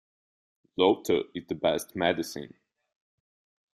Laughter is the best medicine.